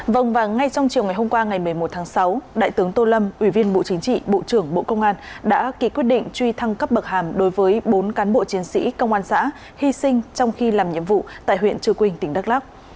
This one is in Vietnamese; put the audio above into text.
vâng và ngay trong chiều ngày hôm qua ngày một mươi một tháng sáu đại tướng tô lâm ủy viên bộ chính trị bộ trưởng bộ công an đã ký quyết định truy thăng cấp bậc hàm đối với bốn cán bộ chiến sĩ công an xã hy sinh trong khi làm nhiệm vụ tại huyện trư quynh tỉnh đắk lắc